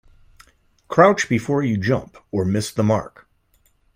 Crouch before you jump or miss the mark.